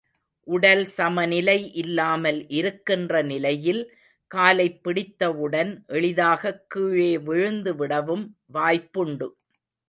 உடல் சமநிலை இல்லாமல் இருக்கின்ற நிலையில் காலைப் பிடித்தவுடன், எளிதாகக் கீழே விழுந்துவிடவும் வாய்ப்புண்டு.